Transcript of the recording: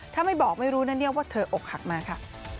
ถ้าไม่บอกไม่รู้ว่าเธออกหักมากค่ะ